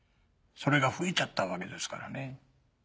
それが吹いちゃったわけですからね。